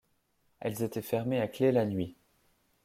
Elles étaient fermées à clé la nuit.